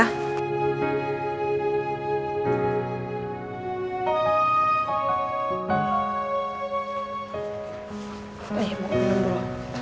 nih bukannya dulu